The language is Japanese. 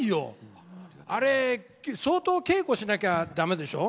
あれ相当稽古しなきゃ駄目でしょ。